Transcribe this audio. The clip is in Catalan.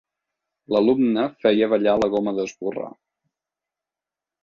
L'alumne feia ballar la goma d'esborrar.